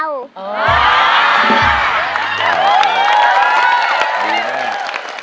ดีเลย